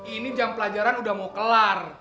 ini jam pelajaran udah mau kelar